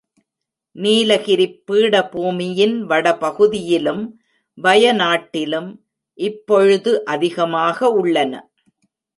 நீலகிரிப் பீடபூமியின் வடபகுதியிலும் வய நாட்டிலும் இப்பொழுது அதிகமாக உள்ளன.